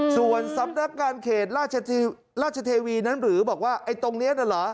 ส่วนสำนักงานเขตราชเทวีนั้นหรือบอกว่าไอ้ตรงนี้น่ะเหรอ